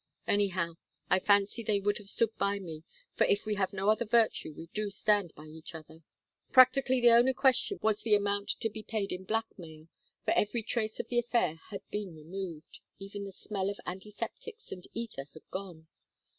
Anyhow, I fancy they would have stood by me, for if we have no other virtue we do stand by each other. "Practically the only question was the amount to be paid in blackmail, for every trace of the affair had been removed; even the smell of antiseptics and ether had gone.